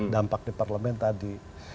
dampak di parlemen tadi